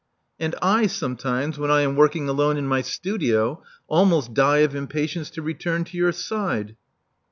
*' And I sometimes, when I am working alone in my studio, almost die of impatience to return to your side.